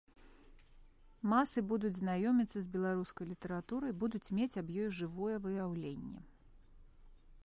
Масы будуць знаёміцца з беларускай літаратурай, будуць мець аб ёй жывое выяўленне.